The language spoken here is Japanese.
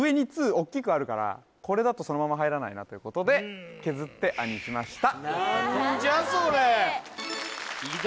おっきくあるからこれだとそのまま入らないなということで削って「あ」にしました何じゃそれ伊沢